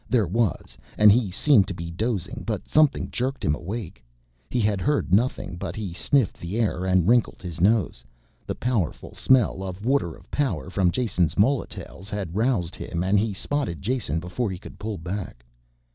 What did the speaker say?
There was, and he seemed to be dozing, but something jerked him awake. He had heard nothing but he sniffed the air and wrinkled his nose; the powerful smell of water of power from Jason's molotails had roused him and he spotted Jason before he could pull back.